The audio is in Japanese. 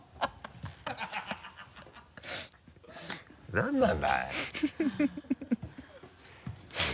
何なんだいあれ。